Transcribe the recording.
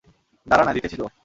দাঁড়া না, দিতেছি তো!